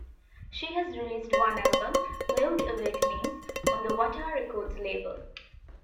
She has released one album, "Lewd Awakenings", on the What Are Records label.